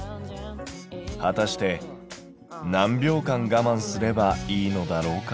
はたして何秒間がまんすればいいのだろうか。